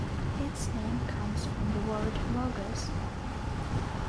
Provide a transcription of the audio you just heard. Its name comes from the word "bogus".